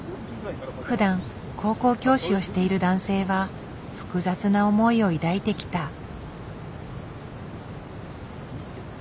ふだん高校教師をしている男性は複雑な思いを抱いてきた。